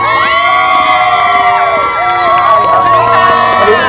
กัณฑภัทรไม่ออกมาหรอ